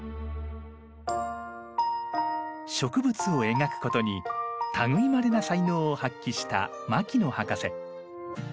植物を描くことにたぐいまれな才能を発揮した牧野博士。